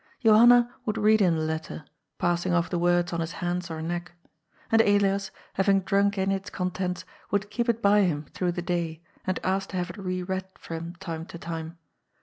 Johanna would read him the letter, passing off the words on his hands or neck. And Elias, having drunk in its con tents, would keep it by him through the day, and ask to have it re read from time to time.